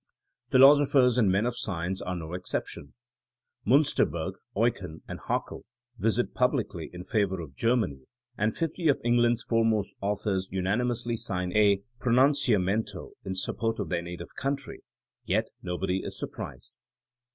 Philosophers and men of science are no exception; Miinster berg, Eucken and Haeckel write publicly in favor of Germany and fifty of England ^s fore most authors unanunously sign a pronuncia mento in support of their native country — ^yet nobody is surprised.